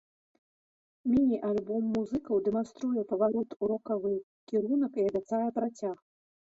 Міні-альбом музыкаў дэманструе паварот у рокавы кірунак і абяцае працяг.